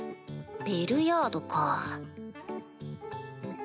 ベルヤードか。